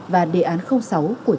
và đề án sáu của